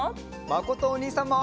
まことおにいさんも！